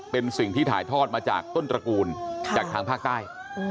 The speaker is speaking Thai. เป็นสิ่งที่ถ่ายทอดมาจากต้นตระกูลจากทางภาคใต้